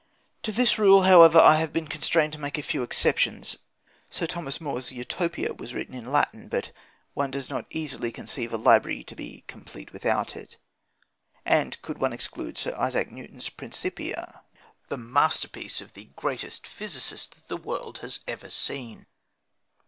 To this rule, however, I have been constrained to make a few exceptions. Sir Thomas More's Utopia was written in Latin, but one does not easily conceive a library to be complete without it. And could one exclude Sir Isaac Newton's Principia, the masterpiece of the greatest physicist that the world has ever seen?